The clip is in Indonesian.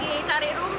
apinya itu beratak semua